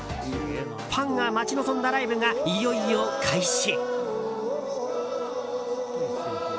ファンが待ち望んだライブがいよいよ開始。